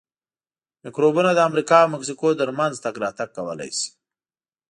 میکروبونه د امریکا او مکسیکو ترمنځ تګ راتګ کولای شي.